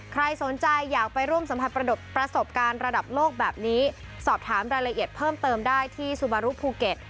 ใครสนใจอยากไปร่วมสัมผัสประสบการณ์ระดับโลกแบบนี้สอบถามรายละเอียดเพิ่มเติมได้ที่ซูบารุภูเก็ต